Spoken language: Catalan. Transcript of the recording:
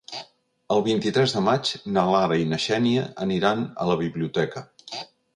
El vint-i-tres de maig na Lara i na Xènia aniran a la biblioteca.